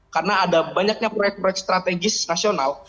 karena ada banyaknya proyek proyek strategis nasional